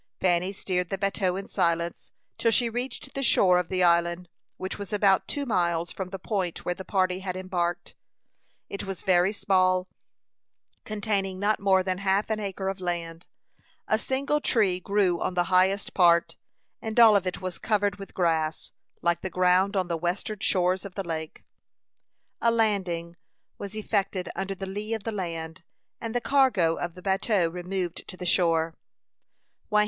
Fanny steered the bateau in silence, till she reached the shore of the island, which was about two miles from the point where the party had embarked. It was very small, containing not more than half an acre of land. A single tree grew on the highest part, and all of it was covered with grass, like the ground on the western shores of the lake. A landing was effected under the lee of the land, and the cargo of the bateau removed to the shore.